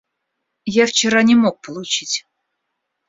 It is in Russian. Я вчера не мог получить.